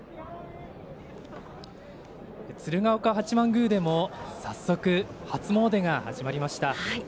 鶴岡八幡宮でも早速、初詣が始まりました。